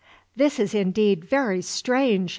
"This is indeed very strange!"